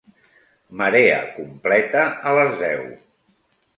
Marea completa a les deu.